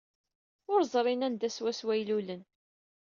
Ur ẓrin anda swaswa ay lulen.